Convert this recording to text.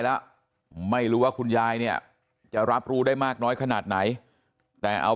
แล้วไม่รู้ว่าคุณยายเนี่ยจะรับรู้ได้มากน้อยขนาดไหนแต่เอา